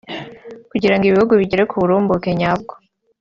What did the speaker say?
kugira ngo ibihugu bigere ku burumbuke nyabwo